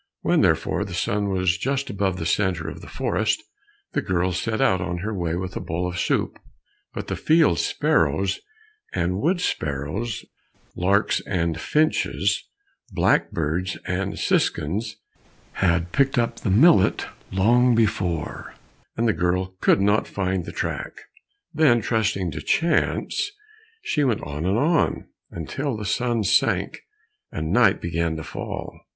When, therefore, the sun was just above the center of the forest, the girl set out on her way with a bowl of soup, but the field sparrows, and wood sparrows, larks and finches, blackbirds and siskins had picked up the millet long before, and the girl could not find the track. Then trusting to chance, she went on and on, until the sun sank and night began to fall.